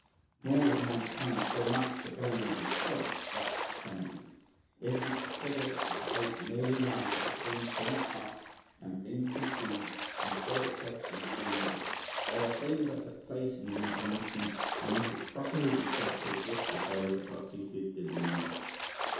Nor is mankind so much to blame in his choice thus determining him, if we consider that the debate merely lies between things past and things conceived, and so the question is only this: whether things that have place in the imagination may not as properly be said to exist as those that are seated in the memory?